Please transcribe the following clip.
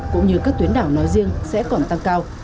cũng như các tuyến đảo nói riêng sẽ còn tăng cao